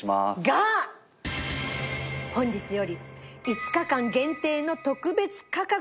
本日より５日間限定の特別価格です。